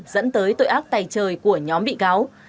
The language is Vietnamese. dẫn tới tội ác tài trời của nhóm bị cáo